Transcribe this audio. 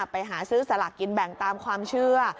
ไปหาซื้อสลากกินแบ่งตามความเชื่อ